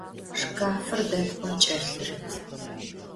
Şşkafır depkhım ç'elhırıt.